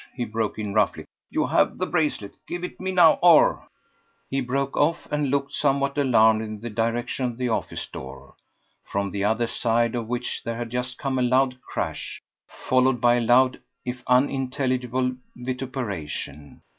he broke in roughly. "You have the bracelet. Give it me now, or ..." He broke off and looked somewhat alarmed in the direction of the office door, from the other side of which there had just come a loud crash, followed by loud, if unintelligible, vituperation.